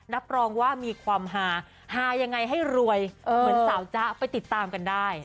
รับรองว่ามีความฮาฮายังไงให้รวยเหมือนสาวจ๊ะไปติดตามกันได้